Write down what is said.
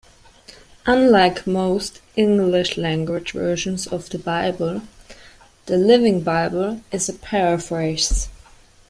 Unlike most English language versions of the Bible, "The Living Bible" is a paraphrase.